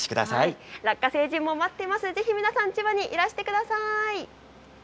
ラッカ星人も待っていますし皆さん、千葉にいらしてください。